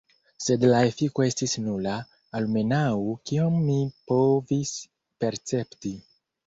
Sed la efiko estis nula, almenau kiom mi povis percepti.